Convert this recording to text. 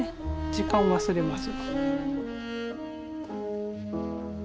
時間を忘れます。